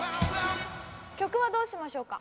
曲はどうしましょうか？